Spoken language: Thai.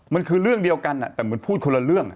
มันคือเรื่องเดียวกันแต่เหมือนพูดคนละเรื่อง